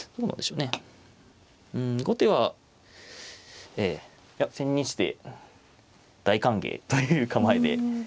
うん後手は千日手大歓迎という構えで。